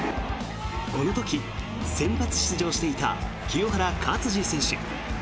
この時、先発出場していた清原勝児選手。